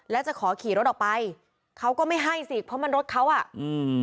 แล้วจะขอขี่รถออกไปเขาก็ไม่ให้สิเพราะมันรถเขาอ่ะอืม